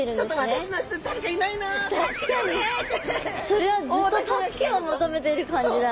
それはずっと助けを求めてる感じだ。